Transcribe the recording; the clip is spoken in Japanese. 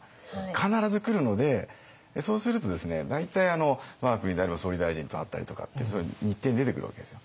必ず来るのでそうするとですね大体我が国であれば総理大臣と会ったりとかって日程に出てくるわけですよ。